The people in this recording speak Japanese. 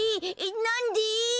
なんで？